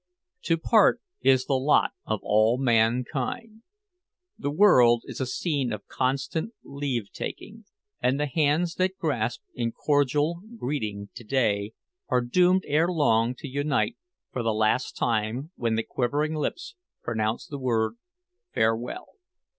To part is the lot of all mankind. The world is a scene of constant leave taking, and the hands that grasp in cordial greeting to day are doomed ere long to unite for the last time when the quivering lips pronounce the word "Farewell."